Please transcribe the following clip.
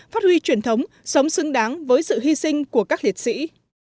phát huy truyền thống sống xứng đáng với sự hy sinh của các liệt sĩ